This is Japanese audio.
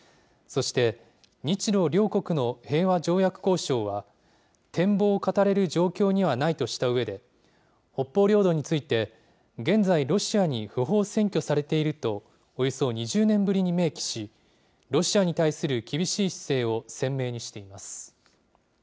そして、日ロ両国の平和条約交渉は、展望を語れる状況にはないとしたうえで、北方領土について、現在、ロシアに不法占拠されていると、およそ２０年ぶりに明記し、ロシアに対する厳しい姿勢を鮮明にしています。